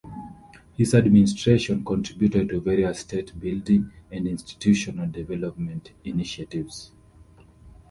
His administration contributed to various state-building and institutional development initiatives.